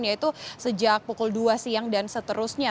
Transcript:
yaitu sejak pukul dua siang dan seterusnya